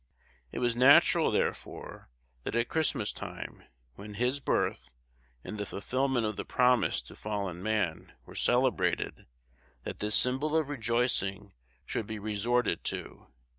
It was natural, therefore, that at Christmas time, when His Birth, and the fulfilment of the promise to fallen man, were celebrated, that this symbol of rejoicing should be resorted to.